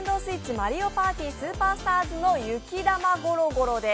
「マリオパーティースーパースターズ」の「ゆきだまゴロゴロ」です。